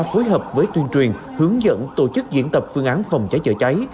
phối hợp với tuyên truyền hướng dẫn tổ chức diễn tập phương án phòng cháy chữa cháy